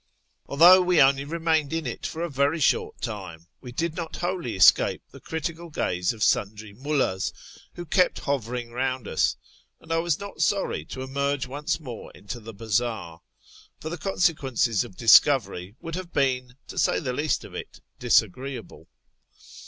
Although we only remained in it for a very short time, we did not wholly escape the critical gaze of sundry mullds who kept hovering round us, and I was not sorry to emerge once more into the bazaar ; for the consequences of discovery would have been, to say the least of it, disagreeable.